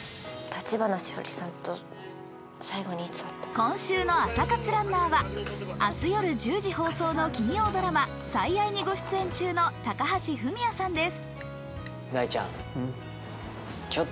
今週の朝活ランナーは、明日夜１０時放送の金曜ドラマ「最愛」に御出演中の高橋文哉さんです。